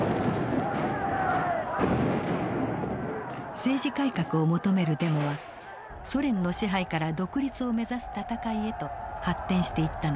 政治改革を求めるデモはソ連の支配から独立を目指す戦いへと発展していったのです。